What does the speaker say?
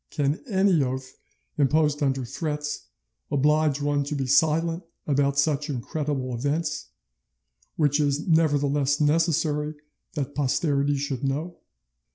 Can any oath imposed under threats oblige one to be silent about such incredible events, which it is nevertheless necessary that posterity should know?